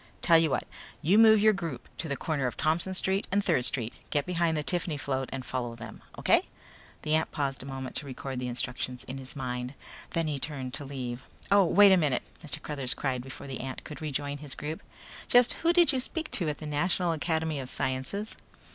"Tell you what. You move your group to the corner of Thompson Street and Third Street. Get behind the Tiffany float and follow them, okay?" The ant paused a moment to record the instructions in his mind. Then he turned to leave. "Oh, wait a minute," Mr. Cruthers cried before the ant could rejoin his group. "Just who did you speak to at the National Academy of Sciences?"